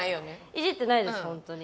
いじってないですホントに。